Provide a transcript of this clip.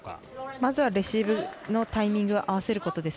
まずはレシーブのタイミングを合わせることです。